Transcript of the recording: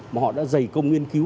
mà họ đã dày công nghiên cứu